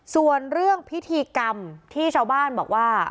ส่วนเรื่องพิธีกรรมที่ชาวบ้านบอกว่า